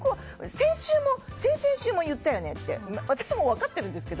先週も先々週も言ったよねって私も分かってるんですけど